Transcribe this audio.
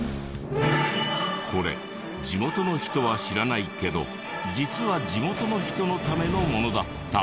これ地元の人は知らないけど実は地元の人のためのものだった。